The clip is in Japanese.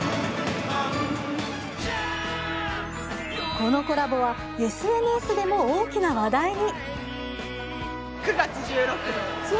このコラボはＳＮＳでも大きな話題に。